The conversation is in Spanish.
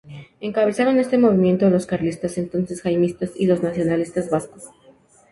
Encabezaron este movimiento los carlistas, entonces jaimistas y los nacionalistas vascos.